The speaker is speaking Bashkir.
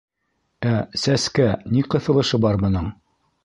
— Ә сәскә ни ҡыҫылышы бар бының?